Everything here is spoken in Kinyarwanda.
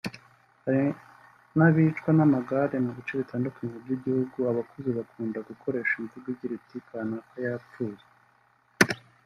Hari n’abicwa n’amagare mu bice bitandukanye by’igihugu; abakuze bakunda gukoresha imvugo igira iti “Kanaka yapfuye